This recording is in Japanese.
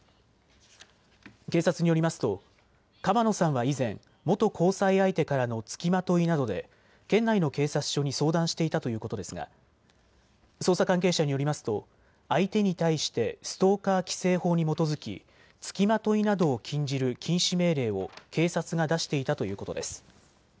警察によりますと川野さんは以前、元交際相手からのつきまといなどで県内の警察署に相談していたということですが捜査関係者によりますと相手に対してストーカー規制法に基づき、つきまといなどを禁じる禁止命令を警察が出していたということです。